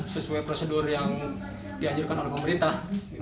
sesuai prosedur yang dianjurkan oleh pemerintah